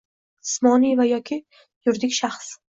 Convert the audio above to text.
jismoniy va yoki yuridik shaxs;